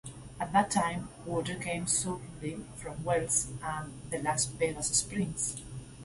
At that time, water came solely from wells and the Las Vegas Springs.